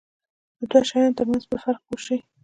د دوو شیانو ترمنځ په فرق پوه شي.